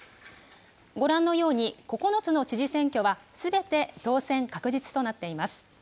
ご覧のように９つの知事選挙は、すべて当選確実となっています。